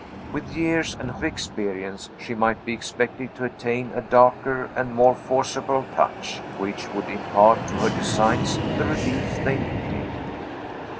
With years and experience she might be expected to attain a darker and more forcible touch, which would impart to her designs the relief they needed.